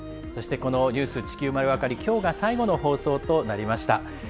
そしてこの「ニュース地球まるわかり」きょうが最後の放送となりました。